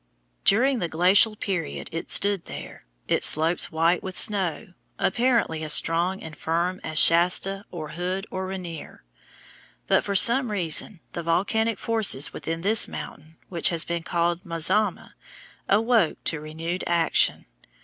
During the glacial period it stood there, its slopes white with snow, apparently as strong and firm as Shasta or Hood or Ranier. But for some reason the volcanic forces within this mountain, which has been called Mazama, awoke to renewed action.